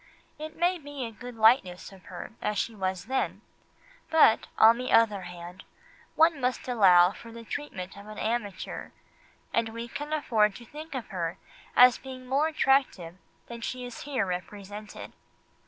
It may be a good likeness of her as she was then, but, on the other hand, one must allow something for the treatment of an amateur, and we can afford to think of her as being more attractive than she is here represented.